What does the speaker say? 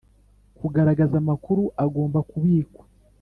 Kugaragaza amakuru agomba kubikwa